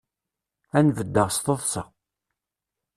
Ad n-beddeɣ s teḍsa.